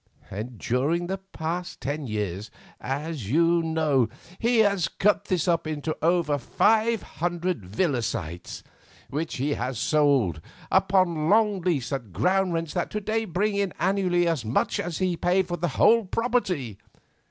During the last ten years, as you know, he has cut this up into over five hundred villa sites, which he has sold upon long lease at ground rents that to day bring in annually as much as he paid for the whole property."